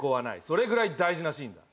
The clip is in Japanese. それぐらい大事なシーンだ。